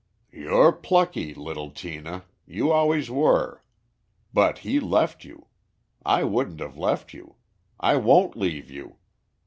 "You're plucky, little Tina, you always were. But he left you. I wouldn't have left you. I won't leave you.